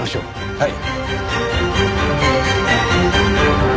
はい。